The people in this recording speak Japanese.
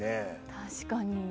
確かに。